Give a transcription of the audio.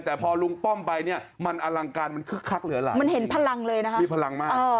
แต่พอลุงป้อมไปเนี่ยมันอลังการมันคึกคักเหลือหลาน